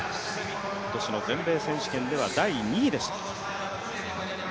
今年の全米選手権では第２位でした。